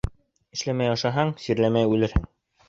Эшләмәй ашаһаң, сирләмәй үлерһең.